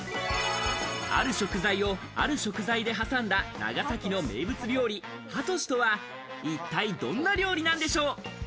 ある食材を、ある食材で挟んだ長崎の名物料理ハトシとは、一体どんな料理なんでしょう？